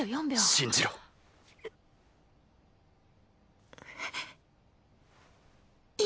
信じろ。よ。